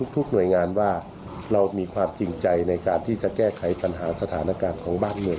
ที่ตรงกันอีกประกันก็คือ